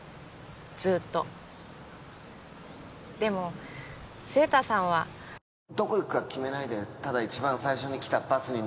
ずっとでも晴太さんはどこ行くか決めないでただ一番最初に来たバスに